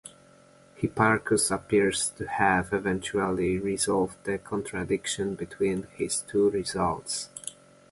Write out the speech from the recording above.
Hipparchus appears to have eventually resolved the contradiction between his two results.